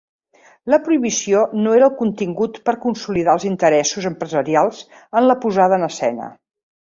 La prohibició no era el contingut per consolidar els interessos empresarials en la posada en escena.